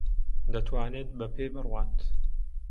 دەتوانێت بە پێ بڕوات.